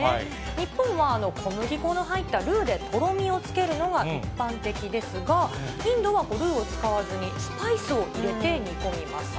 日本は小麦粉の入ったルーでとろみをつけるのが一般的ですが、インドはルーを使わずに、スパイスを入れて煮込みます。